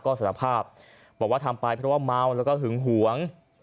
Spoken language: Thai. ก็สารภาพบอกว่าทำไปเพราะว่าเมาแล้วก็หึงหวง